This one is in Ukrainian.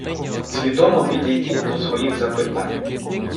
Свідомо підійдіть до своїх запитань.